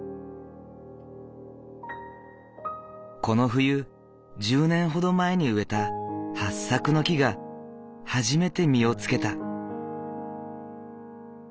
この冬１０年ほど前に植えたはっさくの木が初めて実をつけた。